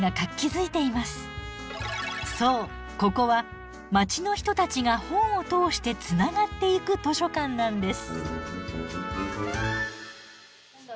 そうここは街の人たちが本を通してつながっていく図書館なんです。